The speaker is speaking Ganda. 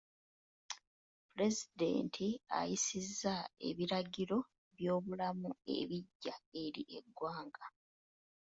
Pulezidenti ayisizza ebiragiro by'obulamu ebigya eri eggwanga.